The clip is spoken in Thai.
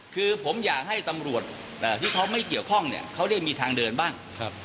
คือผมอยากให้ตำรวจที่เขาไม่เกี่ยวข้องเนี่ยเขาได้มีทางเดินบ้าง